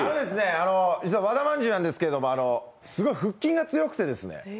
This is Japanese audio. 実は和田まんじゅうなんですけど、腹筋が強くてですね。